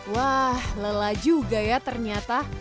wah lelah juga ya ternyata